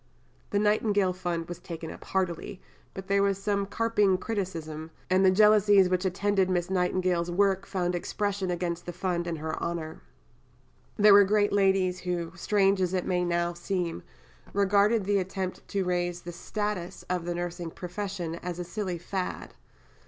" The Nightingale Fund was taken up heartily, but there was some carping criticism, and the jealousies which attended Miss Nightingale's work found expression against the Fund in her honour. There were great ladies who, strange as it may now seem, regarded the attempt to raise the status of the nursing profession as a silly fad.